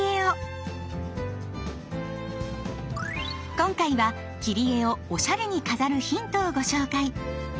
今回は切り絵をおしゃれに飾るヒントをご紹介。